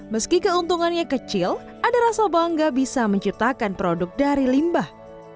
meski keuntungannya kecil ada rasa bangga bisa menciptakan produk dari limbah